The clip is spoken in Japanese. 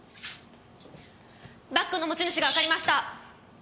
バッグの持ち主がわかりました！